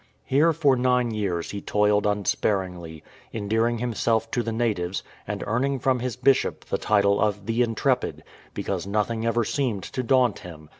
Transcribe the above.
Here for nine years he toiled unsparingly, endearing himself to the natives, and earning from his bishop the title of " the intrepid," because nothing ever seemed to daunt him.